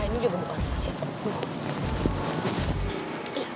ini juga gembokan